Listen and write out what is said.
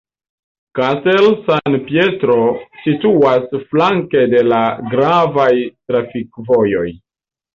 Castel San Pietro situas flanke de la gravaj trafikvojoj.